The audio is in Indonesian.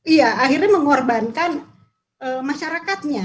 iya akhirnya mengorbankan masyarakatnya